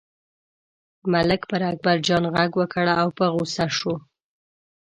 ملک پر اکبرجان غږ وکړ او په غوسه شو.